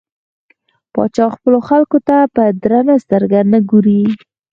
پاچا خپلو خلکو ته په درنه سترګه نه ګوري .